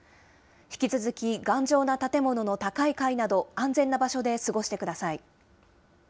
引き続き頑丈な建物の高い階など、安全な場所で過ごしてください。